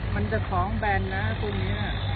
มันจะของแบนนะพวกนี้